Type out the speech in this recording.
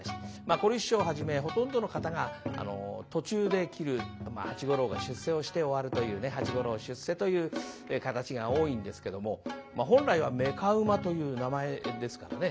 小柳枝師匠をはじめほとんどの方が途中で切る八五郎が出世をして終わるというね「八五郎出世」という形が多いんですけども本来は「妾馬」という名前ですからね